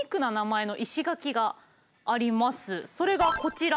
それがこちら。